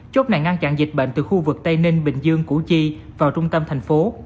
chốt này ngăn chặn dịch bệnh từ khu vực tây ninh bình dương củ chi vào trung tâm thành phố